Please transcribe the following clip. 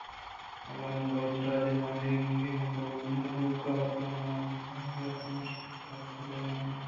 اگاں ما بلوچ راج ءِ وانِندگیں مھلوک وت ماں وت یکمُشت ءُ تپاک بِہ بَہ ایں